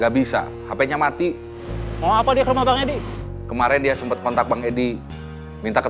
ditangkap dan buang ke sungai cikapul